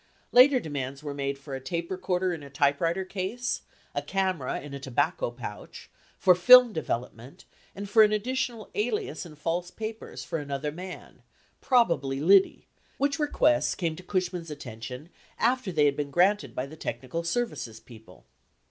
Later demands were made for a tape recorder in a type writer case, a camera in a tobacco pouch, for film development, and for an additional alias and false papers for another man ("probably Liddy") , which requests came to Cushman's attention after they had been granted by the technical services people.